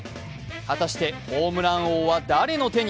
果たしてホームラン王は誰の手に。